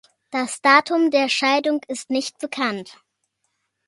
Das Datum der Scheidung ist nicht bekannt.